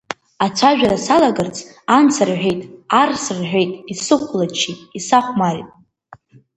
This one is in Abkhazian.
Ацәажәара салагарц, анс рҳәеит, арс рҳәеит, исыхәлаччеит, исахәмарит.